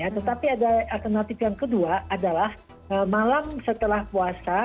tetapi ada alternatif yang kedua adalah malam setelah puasa